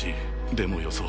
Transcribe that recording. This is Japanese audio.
でもよそう。